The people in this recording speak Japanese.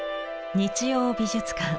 「日曜美術館」。